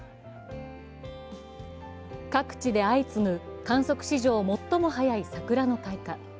各地で相次ぐ観測史上最も早い桜の開花。